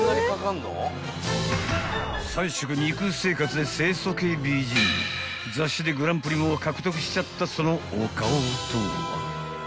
［３食肉生活で清楚系美人雑誌でグランプリも獲得しちゃったそのお顔とは？］